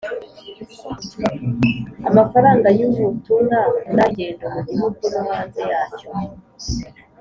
Amafaranga y ubutumwa n ay ingendo mu gihugu no hanze yacyo